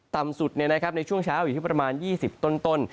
ต่ำสุดในช่วงเช้าอยู่ที่ประมาณ๒๐ต้น